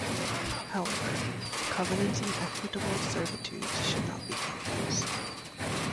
However, covenants and equitable servitudes should not be confused.